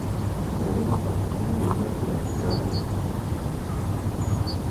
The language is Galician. A saída atópase nun illote e a chegada noutro.